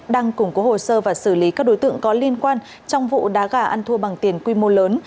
đang củng cố hồ sơ và xử lý các đối tượng có liên quan trong vụ đá gà ăn thua bằng tiền quy mô lớn